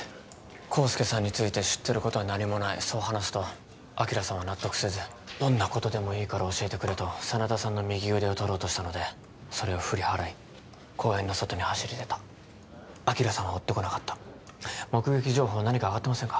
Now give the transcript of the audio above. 康介さんについて知ってることは何もないそう話すと昭さんは納得せずどんなことでもいいから教えてくれと真田さんの右腕を取ろうとしたのでそれを振り払い公園の外に走り出た昭さんは追ってこなかった目撃情報何かあがってませんか？